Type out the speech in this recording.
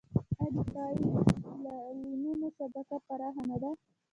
آیا د پایپ لاینونو شبکه پراخه نه ده؟